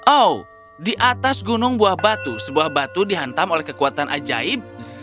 oh di atas gunung buah batu sebuah batu dihantam oleh kekuatan ajaib